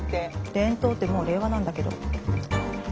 伝統ってもう令和なんだけど。